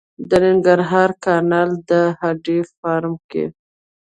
د ننګرهار کانال د هډې فارم کې